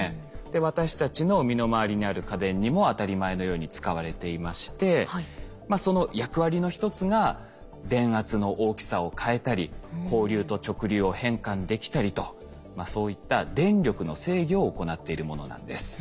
私たちの身の回りにある家電にも当たり前のように使われていましてその役割の一つが電圧の大きさを変えたり交流と直流を変換できたりとそういった電力の制御を行っているものなんです。